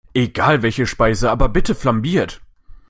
Egal welche Speise, aber bitte flambiert!